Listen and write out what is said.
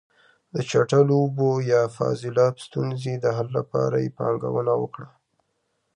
د چټلو اوبو یا فاضلاب ستونزې د حل لپاره یې پانګونه وکړه.